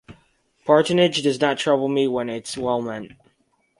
Patronage does not trouble me when it is well meant.